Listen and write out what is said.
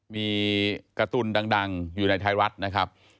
มีการ์ตูนดังอยู่ในไทยรัฐนะครับ